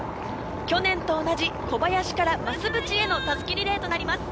去年と同じ小林から増渕への襷リレーとなります。